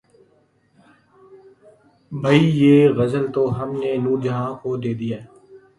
بھئی یہ غزل تو ہم نے نور جہاں کو دے دی ہے